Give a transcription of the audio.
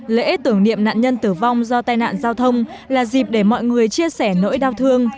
lễ tưởng niệm nạn nhân tử vong do tai nạn giao thông là dịp để mọi người chia sẻ nỗi đau thương